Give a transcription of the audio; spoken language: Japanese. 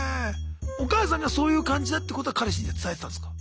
お母さんがそういう感じだってことは彼氏には伝えてたんですか？